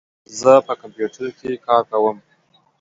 زه په کمپیوټر کې کار کوم.